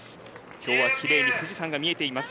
今日は奇麗に富士山が見えています。